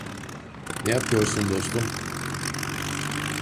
Ne yapıyorsun dostum?